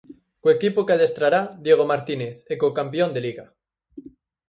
Co equipo que adestrará Diego Martínez e co campión de Liga.